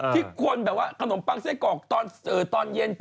ที่คนแบบว่าขนมปังไส้กรอกตอนเย็น